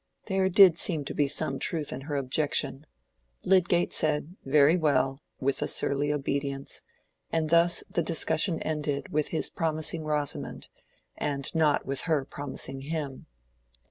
There did seem to be some truth in her objection. Lydgate said, "Very well," with a surly obedience, and thus the discussion ended with his promising Rosamond, and not with her promising him.